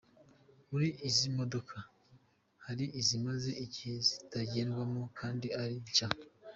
Muri izi modoka hari izimaze igihe zitagendwamo kandi ari nshya.